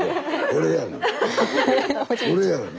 俺やがな。